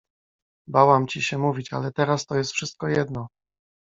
— Bałam ci się mówić, ale teraz to jest wszystko jedno.